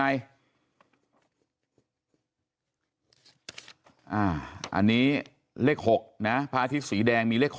อันนี้เลข๖นะพระอาทิตย์สีแดงมีเลข๖